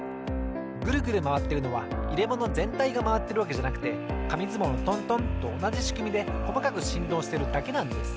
グルグルまわってるのはいれものぜんたいがまわってるわけじゃなくてかみずもうのトントンとおなじしくみでこまかくしんどうしてるだけなんです。